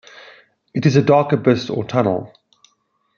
It's a dark abyss or tunnel